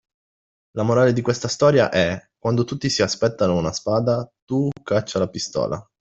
La morale di questa storia è: quando tutti si aspettano una spada, tu caccia la pistola.